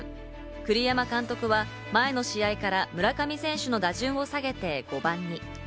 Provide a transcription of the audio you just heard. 栗山監督は前の試合から村上選手の打順を下げて５番に。